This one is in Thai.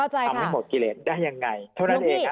ทำให้หมดกิเลสได้ยังไงเท่านั้นเอง